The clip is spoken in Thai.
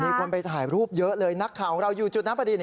คนไปถ่ายรูปเยอะเลยนักข่าวของเราอยู่จุดนั้นพอดี